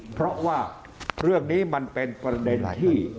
เพราะว่าเรื่องนี้มันเป็นประเด็นที่